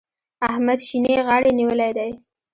احمد شينې غاړې نيولی دی.